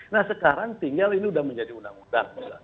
nah sekarang tinggal ini sudah menjadi undang undang